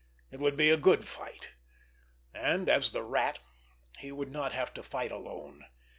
It would be a good fight! And, as the Rat, he would not have to fight alone!